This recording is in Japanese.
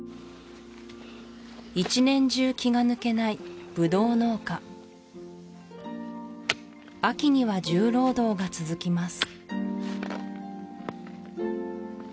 １年中気が抜けないブドウ農家秋には重労働が続きます